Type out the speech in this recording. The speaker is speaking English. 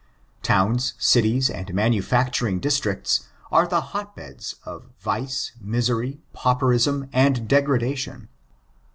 Towns, cities, and manufacturing dbtricts, are the hot beds of vice, misery, pauperism, and de gradation.